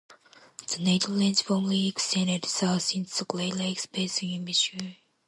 The native range formerly extended south into the Great Lakes basin in Michigan.